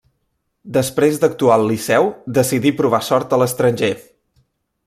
Després d'actuar al Liceu decidí provar sort a l'estranger.